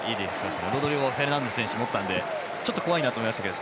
ロドリゴ・フェルナンデス選手持ったのでちょっと怖いなと思いましたけど。